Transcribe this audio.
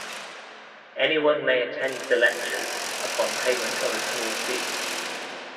Anyone may attend the lectures upon payment of a small fee.